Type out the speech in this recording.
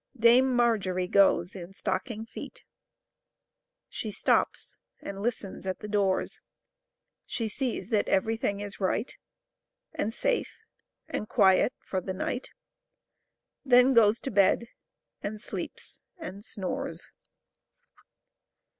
Dame Margery goes , in Stocking Feet . She stops and listens at \kieDoors\ ^ She sees that every thing is right , And safe.and quiet for the Night . Then goes io Bed, and sleeps, and snores